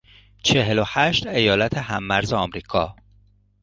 چهل و هشت ایالت هممرز امریکا